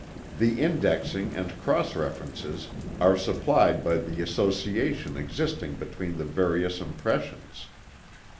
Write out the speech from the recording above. The indexing, and cross references are supplied by the association existing between the various impressions.